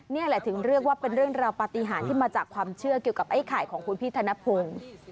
นี่แหละถึงเรียกว่าเป็นเรื่องราวปฏิหารที่มาจากความเชื่อเกี่ยวกับไอ้ไข่ของคุณพี่ธนพงศ์